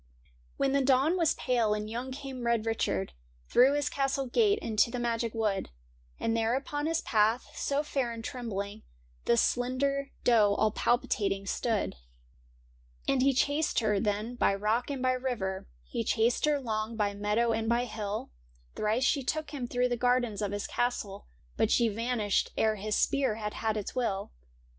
' When the dawn was pale and young came Red Richard Through his castle gate into the magic wood ; And there upon his path, so fair and trembling, The slender doe all palpitating stood i6 THE PHANTOM DEER And he chased her then by rock and by river, He chased her long by meadow and by hill : Thrice she took him through the gardens of his castle, But she vanished ere his spear had had its will.